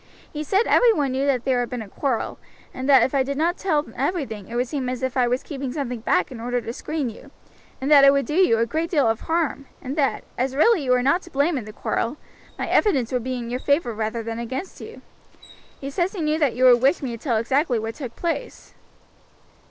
He said every one knew there had been a quarrel, and that if I did not tell everything it would seem as if I was keeping something back in order to screen you, and that would do you a great deal of harm, and that, as really you were not to blame in the quarrel, my evidence would be in your favor rather than against you. He says he knew that you would wish me to tell exactly what took place."